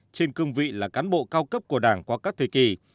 trên cương vị là cán bộ cao cấp của đảng qua các thời kỳ